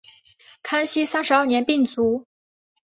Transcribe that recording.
康熙三十二年病卒。